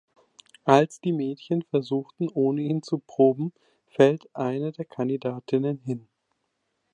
Als die Mädchen versuchen, ohne ihn zu proben, fällt eine der Kandidatinnen hin.